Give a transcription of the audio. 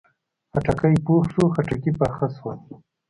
خټکی پوخ شو، خټکي پاخه شول